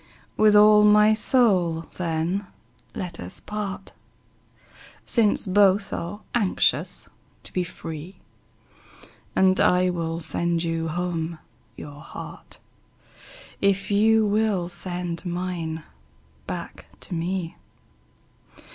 With all my soul, then, let us part, Since both are anxious to be free; And I will sand you home your heart, If you will send mine back to me.